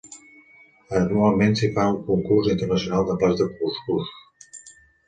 Anualment s'hi fa un concurs internacional de plats de cuscús.